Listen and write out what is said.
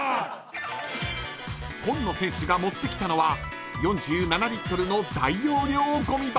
［今野選手が持ってきたのは４７リットルの大容量ごみ箱］